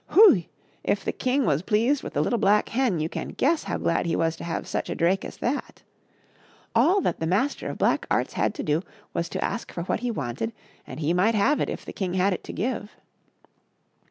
Hui ! if the king was pleased with the little black hen, you can guess how glad he was to have such a drake as that! All that the Master of Black Arts had to do was to ask for what he wanted, and he might have it if the king had it to give.